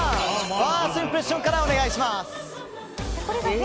ファーストインプレッションからお願いします。